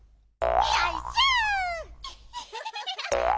よいしょ！